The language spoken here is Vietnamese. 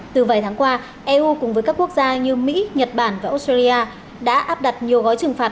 từ vài tháng qua eu cùng với các quốc gia như mỹ nhật bản và australia đã áp đặt nhiều gói trừng phạt